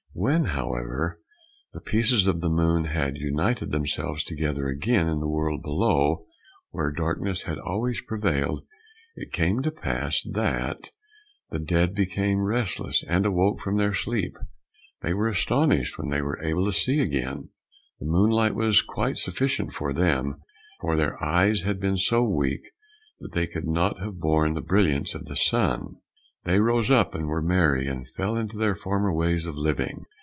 When, however, the pieces of the moon had united themselves together again in the world below, where darkness had always prevailed, it came to pass that the dead became restless and awoke from their sleep. They were astonished when they were able to see again; the moonlight was quite sufficient for them, for their eyes had become so weak that they could not have borne the brilliance of the sun. They rose up and were merry, and fell into their former ways of living.